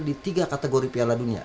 di tiga kategori piala dunia